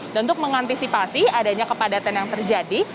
dan untuk mengantisipasi adanya kepadatan yang terjadi